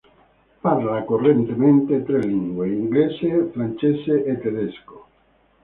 Parla correntemente tre lingue: inglese, francese e tedesco.